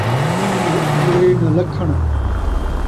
لل ہے ناں لکھݨ